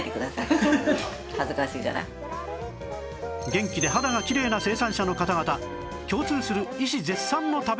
元気で肌がきれいな生産者の方々共通する医師絶賛の食べ方とは？